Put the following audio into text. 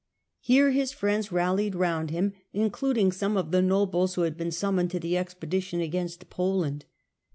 Here his friends rallied round him, including some of the nobles who had been sum moned to the expedition against Poland.